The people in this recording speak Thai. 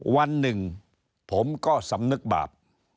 วันหนึ่งผมก็สำนึกบาป